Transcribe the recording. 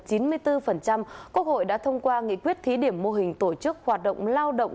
quốc hội đã thông qua nghị quyết thí điểm mô hình tổ chức hoạt động lao động